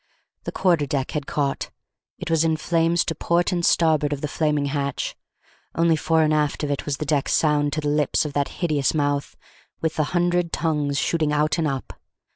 The quarter deck had caught: it was in flames to port and starboard of the flaming hatch; only fore and aft of it was the deck sound to the lips of that hideous mouth, with the hundred tongues shooting out and up.